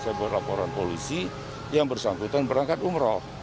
saya buat laporan polisi yang bersangkutan berangkat umroh